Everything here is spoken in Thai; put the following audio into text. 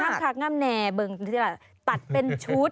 งามคักงามแหน่ตัดเป็นชุด